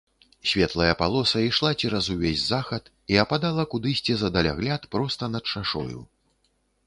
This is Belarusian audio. Светлая палоса ішла цераз увесь захад і ападала кудысьці за далягляд проста над шашою.